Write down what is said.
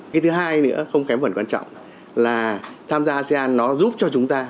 cái thứ hai nữa không kém phần quan trọng là tham gia asean nó giúp cho chúng ta